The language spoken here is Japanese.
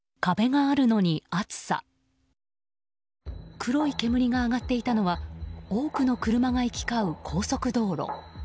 黒い煙が上がっていたのは多くの車が行き交う高速道路。